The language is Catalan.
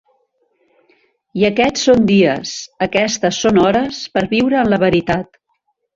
I aquests són dies, aquestes són hores, per viure en la veritat.